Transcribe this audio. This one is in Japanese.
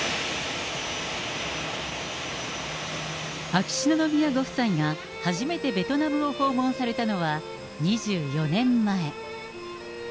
秋篠宮ご夫妻が初めてベトナムを訪問されたのは、２４年前。